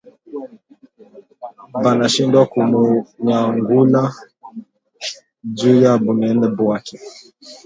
Bana shindwa kumunyangula juya bunene bwake